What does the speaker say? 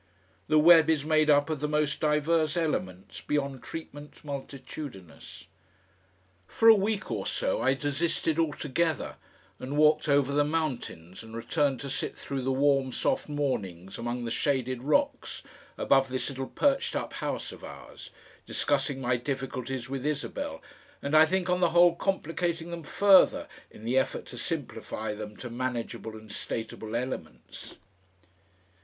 The web is made up of the most diverse elements, beyond treatment multitudinous.... For a week or so I desisted altogether, and walked over the mountains and returned to sit through the warm soft mornings among the shaded rocks above this little perched up house of ours, discussing my difficulties with Isabel and I think on the whole complicating them further in the effort to simplify them to manageable and stateable elements.